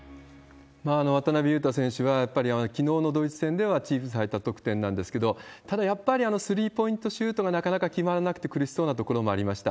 渡邊雄太選手は、やっぱりきのうのドイツ戦ではチーム最多得点なんですけど、ただ、やっぱりスリーポイントシュートがなかなか決まらなくて苦しそうなところもありました。